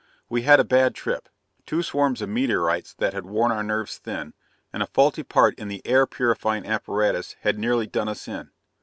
We had had a bad trip; two swarms of meteorites that had worn our nerves thin, and a faulty part in the air purifying apparatus had nearly done us in.